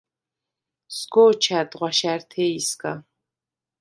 სგო̄ჩა̈დდ ღვაშა̈რთე̄ჲსგა.